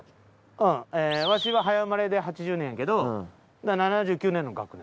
うんワシは早生まれで８０年やけど７９年の学年。